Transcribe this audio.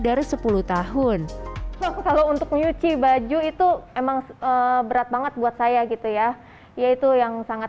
dari sepuluh tahun kalau untuk nyuci baju itu emang berat banget buat saya gitu ya yaitu yang sangat